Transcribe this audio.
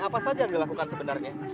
apa saja yang dilakukan sebenarnya